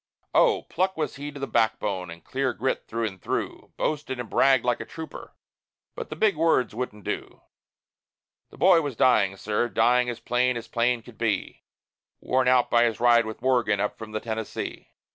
Oh! pluck was he to the backbone, and clear grit through and through; Boasted and bragged like a trooper, but the big words wouldn't do; The boy was dying, sir, dying, as plain as plain could be, Worn out by his ride with Morgan up from the Tennessee.